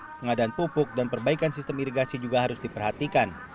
pengadaan pupuk dan perbaikan sistem irigasi juga harus diperhatikan